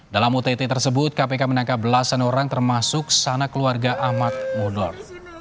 dalam ott tersebut kpk menangkap belasan orang termasuk sana keluarga ahmad mudor